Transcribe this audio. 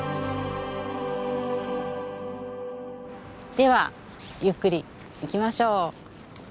ではゆっくり行きましょう。